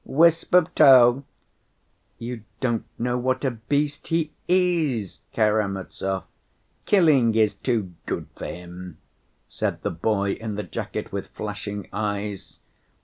Wisp of tow!" "You don't know what a beast he is, Karamazov, killing is too good for him," said the boy in the jacket, with flashing eyes.